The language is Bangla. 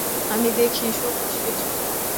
আমি দেখি সবুজ কিছু।